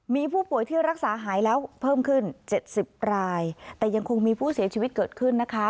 มีผู้ป่วยที่รักษาหายแล้วเพิ่มขึ้นเจ็ดสิบรายแต่ยังคงมีผู้เสียชีวิตเกิดขึ้นนะคะ